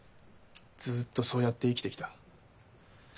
ずっとそうやって生きてきた。